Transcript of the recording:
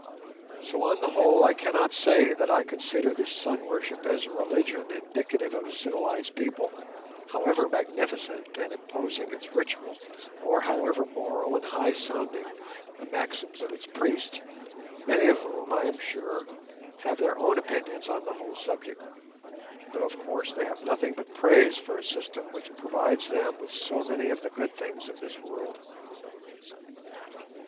So on the whole I cannot say that I consider this sun worship as a religion indicative of a civilized people, however magnificent and imposing its ritual, or however moral and high sounding the maxims of its priests, many of whom, I am sure, have their own opinions on the whole subject; though of course they have nothing but praise for a system which provides them with so many of the good things of this world.